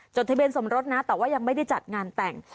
ทะเบียนสมรสนะแต่ว่ายังไม่ได้จัดงานแต่ง